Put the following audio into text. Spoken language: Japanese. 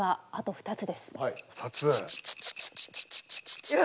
２つ。